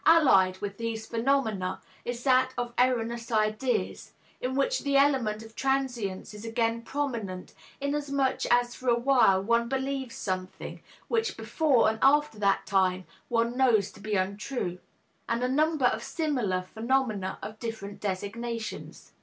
Allied with these phenomena is that of erroneous ideas in which the element of transience is again prominent, inasmuch as for a while one believes something which, before and after that time, one knows to be untrue and a number of similar phenomena of different designations.